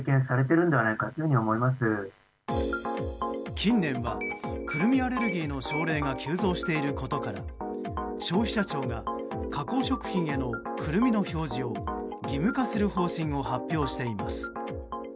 近年はクルミアレルギーの症例が急増していることから消費者庁が加工食品へのクルミの表示を義務化する方針を発表しています。